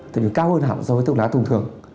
tự nhiên cao hơn hẳn so với thuốc lá thông thường